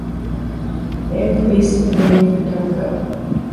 They have released a video for "Don't Go".